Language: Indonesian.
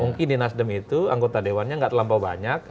mungkin di nasdem itu anggota dewannya nggak terlampau banyak